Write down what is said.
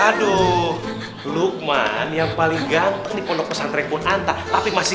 aduh lukman yang paling gampang di pondok pesantren pun anta tapi masih